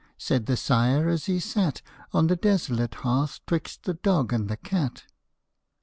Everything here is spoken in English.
Said the sire as he sat On the desolate hearth 'twixt the dog and the cat.